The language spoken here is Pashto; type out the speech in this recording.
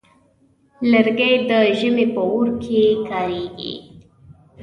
لرګی د ژمي په اور کې کارېږي.